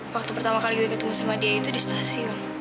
waktu pertama kali ketemu sama dia itu di stasiun